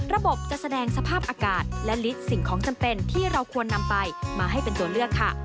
ระบบจะแสดงสภาพอากาศและลิตรสิ่งของจำเป็นที่เราควรนำไปมาให้เป็นตัวเลือกค่ะ